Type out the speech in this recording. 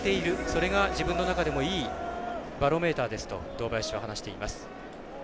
それが自分の中でもいいバロメーターですと堂林は話しています。